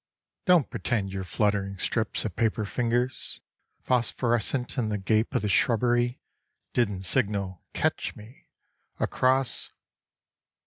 Don't pretend your fluttering strips of paper fingers, phosphor escent in the gape of the shrubbery didn't signal ' catch me ' across